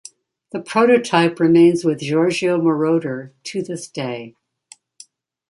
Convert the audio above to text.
The prototype remains with Giorgio Moroder to this day.